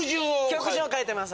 曲順を書いてます